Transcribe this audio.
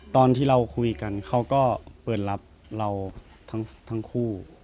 ตอนที่เราคุยกันเขาก็เปิดรับเราทั้งคู่